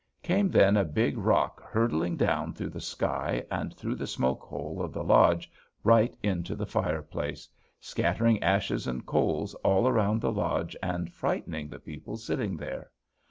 Came then a big rock, hurtling down through the sky and through the smoke hole of the lodge right into the fireplace, scattering ashes and coals all around the lodge, and frightening the people sitting there.